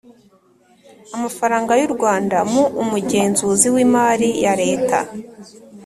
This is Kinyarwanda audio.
amafaranga y'u rwanda, mu umugenzuzi w'imari ya leta